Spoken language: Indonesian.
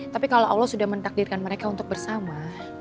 tapi kalau allah sudah mentakdirkan mereka untuk bersama